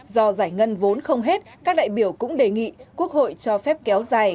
do giải ngân vốn không hết các đại biểu cũng đề nghị quốc hội cho phép kéo dài